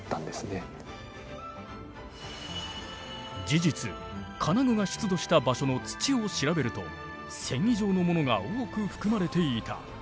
事実金具が出土した場所の土を調べると繊維状のものが多く含まれていた。